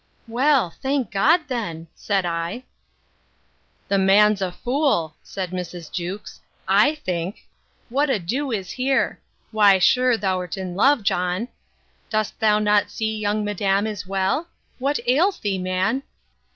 Well, thank God then! said I. The man's a fool, said Mrs. Jewkes, I think: What ado is here! Why, sure thou'rt in love, John. Dost thou not see young madam is well? What ails thee, man?